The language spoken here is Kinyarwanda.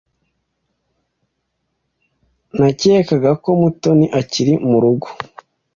Nakekaga ko Mutoni akiri murugo.